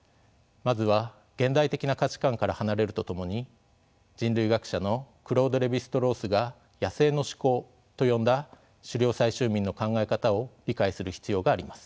まずは現代的な価値観から離れるとともに人類学者のクロード・レヴィ＝ストロースが「野生の思考」と呼んだ狩猟採集民の考え方を理解する必要があります。